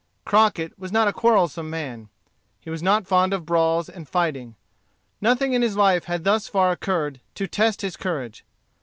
Crockett was not a quarrelsome man. He was not fond of brawls and fighting. Nothing in his life had thus far occurred to test his courage.